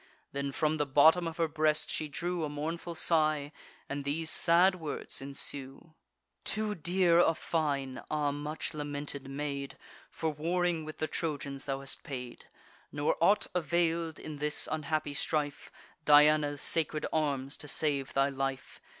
Then, from the bottom of her breast, she drew A mournful sigh, and these sad words ensue: "Too dear a fine, ah, much lamented maid, For warring with the Trojans, thou hast paid! Nor aught avail'd, in this unhappy strife, Diana's sacred arms, to save thy life.